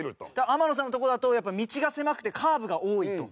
天野さんのところだと道が狭くてカーブが多いと。